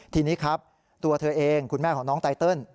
ทีนี้ครับตัวเธอเองคุณแม่ของน้องไตเติล